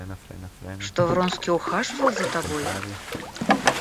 Что Вронский ухаживал за тобой?